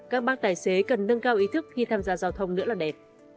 các bác tài xế cần nâng cao ý thức khi tham gia giao thông nữa là đẹp